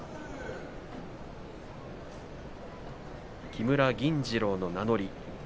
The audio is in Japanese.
木村銀治郎の名乗り。